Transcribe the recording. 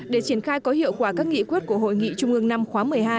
để triển khai có hiệu quả các nghị quyết của hội nghị trung ương năm khóa một mươi hai